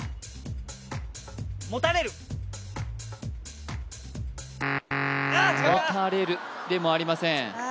「もたれる」でもありませんああ